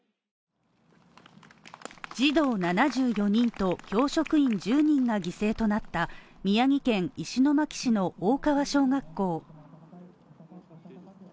児童７４人と教職員１０人が犠牲となった宮城県石巻市の大川小学校。